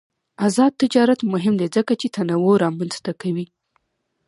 آزاد تجارت مهم دی ځکه چې تنوع رامنځته کوي.